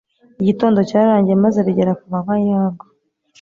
Igitondo cyararangiye maze bigera ku manywa yihangu